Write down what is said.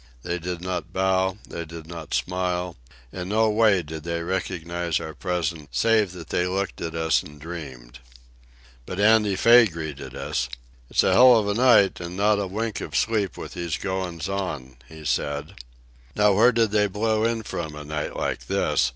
They did not bow, they did not smile, in no way did they recognize our presence save that they looked at us and dreamed. But Andy Fay greeted us. "It's a hell of a night an' not a wink of sleep with these goings on," he said. "Now where did they blow in from a night like this?"